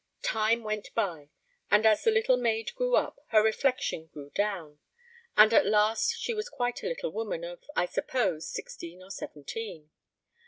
Time went by, and as the little maid grew up, her reflection grew down, and at last she was quite a little woman of, I suppose, sixteen or seventeen.